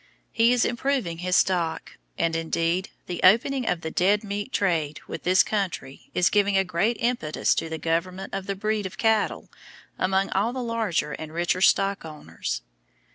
He is improving his stock; and, indeed, the opening of the dead meat trade with this country is giving a great impetus to the improvement of the breed of cattle among all the larger and richer stock owners.